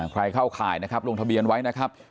เข้าข่ายนะครับลงทะเบียนไว้นะครับ